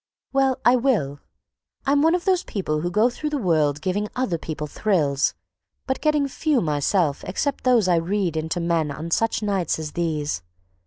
"Well, I will. I'm one of those people who go through the world giving other people thrills, but getting few myself except those I read into men on such nights as these.